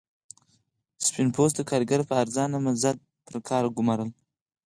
سپین پوستو کارګر په ارزانه مزد پر کار ګومارل.